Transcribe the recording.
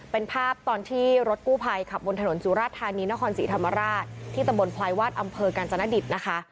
เป็นภาพตอนที่รถกู้ภัยขับบนถนนสุราชธานีนครศรีธรรมราชที่ตำบลพลายวาดอำเภอกาญจนดิตนะคะ